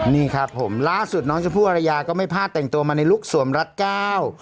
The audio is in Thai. นี่ครับผมล่าสุดน้องชมพู่อารยาก็ไม่พลาดแต่งตัวมาในลุคสวมรัดเก้า